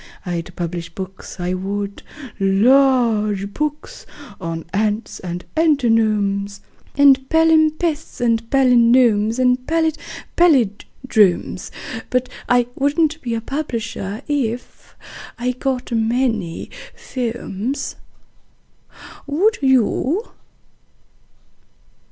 I'd publish books, I would large books on ants and antinomes And palimpsests and palinodes and pallid pallindromes: But I wouldn't be a publisher if .... I got many "pomes." Would you?